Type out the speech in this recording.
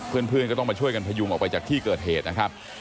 เพื่อนก็ต้องมาช่วยกันพยุงออกไปจากที่เกิดเหตุนะครับ